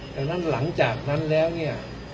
ดังนั้นหลังจากนั้นแล้วเนี่ย